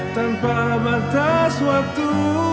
tanpa batas waktu